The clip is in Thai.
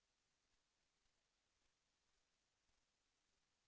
แสวได้ไงของเราก็เชียนนักอยู่ค่ะเป็นผู้ร่วมงานที่ดีมาก